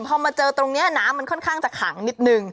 พอมาเจอตรงนี้น้ำมันค่อนข้างจะขังนิดนึง